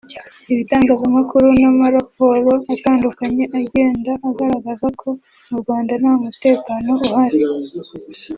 ibitangazamakuru n’amaraporo atandukanye agenda agaragaza ko mu Rwanda nta mutekano uhari